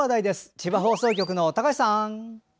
千葉放送局の高橋さん。